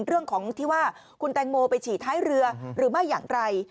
เรื่องของที่ว่าคุณแตงโมไปฉี่ท้ายเรือหรือไม่อย่างไร